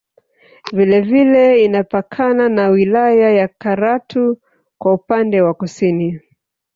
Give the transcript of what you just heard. Vile vile inapakana na wilaya ya Karatu kwa upande wa Kusini